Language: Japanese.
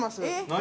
何！？